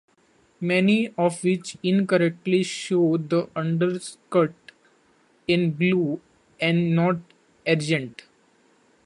Many of which incorrectly show the underskirt in blue and not argent.